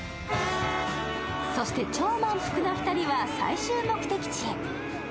そして超満腹な２人は最終目的地へ。